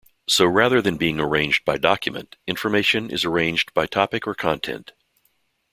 So rather than being arranged by document, information is arranged by topic or content.